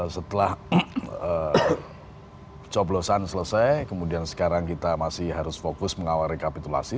setelah coblosan selesai kemudian sekarang kita masih harus fokus mengawal rekapitulasi